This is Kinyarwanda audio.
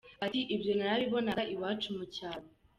Ati “Ibyo narabibonaga iwacu mu cyaro.